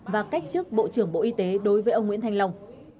và cách chức bộ trưởng bộ y tế đối với ông nguyễn thanh long